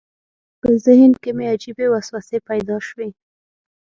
په ذهن کې مې عجیبې وسوسې پیدا شوې.